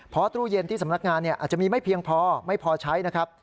เพราะตู้เย็นที่สำนักงานอาจจะมีไม่เพียงพอไม่พอใช้นะครับ